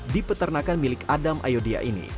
di peternakan milik adam ayodya ini